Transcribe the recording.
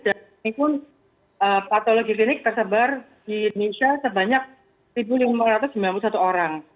dan ini pun patologi klinik tersebar di indonesia sebanyak seribu lima ratus sembilan puluh satu orang